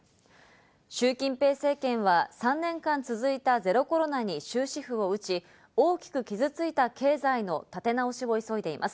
シュウ・キンペイ政権は３年間続いたゼロコロナに終止符を打ち、大きく傷ついた経済の立て直しを急いでいます。